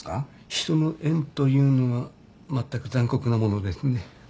人の縁というのはまったく残酷なものですね。